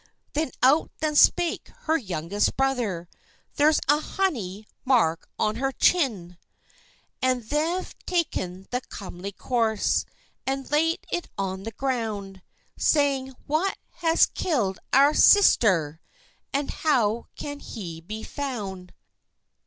And out then spake her youngest brother— "There's a honey mark on her chin." Then they've ta'en the comely corpse, And laid it on the ground; Saying—"Wha has kill'd our ae sister? And how can he be found?